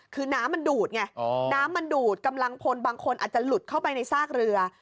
คือน้ำมันดูดไงน้ำมันดูดกำลังพลบางคนอาจจะหลุดเข้าไปในซากเรือ